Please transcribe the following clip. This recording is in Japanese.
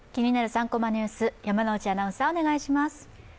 ３コマニュース」、山内アナウンサー、お願いします。